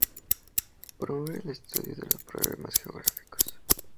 Promover el estudio de los problemas geográficos.